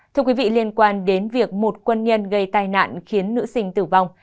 thưa quý vị liên quan đến việc một quân nhân gây tai nạn khiến nữ sinh tử vong